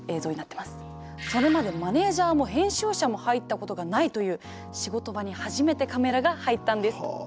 それまでマネージャーも編集者も入ったことがないという仕事場に初めてカメラが入ったんです。